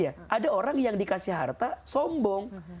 iya ada orang yang dikasih harta sombong